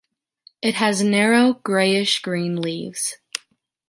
It has narrow, greyish green leaves.